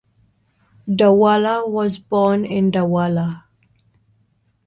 Douala was born in Douala.